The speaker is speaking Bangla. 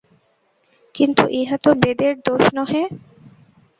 কিন্তু ইহা তো বেদের দোষ নহে।